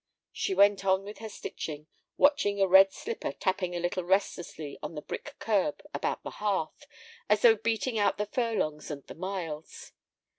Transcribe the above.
She went on with her stitching, watching a red slipper tapping a little restlessly on the brick curb about the hearth, as though beating out the furlongs and the miles.